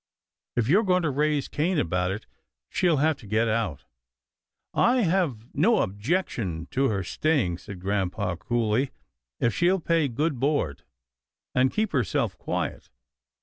If you're going to raise Cain about it, she'll have to get out." " I've no objection to her staying," said grampa, coolly, " if she'll pay good board, and keep herself quiet."